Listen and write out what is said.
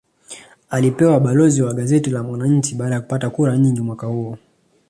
Alipewa balozi wa gazeti la mwananchi baada ya kupata kura nyingi mwaka huo